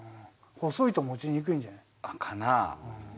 細いと持ちにくいんじゃない？かなぁ。